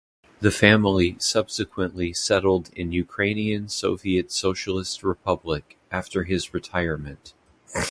The family subsequently settled in Ukrainian Soviet Socialist Republic after his retirement.